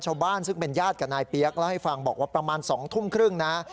ชาวบ้านซึ่งเป็นญาติกับนายเปี๊ยกเล่าให้ฟังบอกว่าประมาณ๒ทุ่มครึ่งนะ